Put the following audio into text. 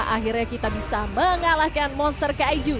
akhirnya kita bisa mengalahkan monster kaiju